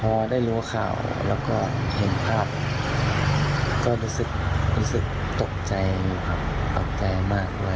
พอได้รู้ข่าวแล้วก็เห็นภาพก็รู้สึกตกใจนะครับตกใจมากด้วย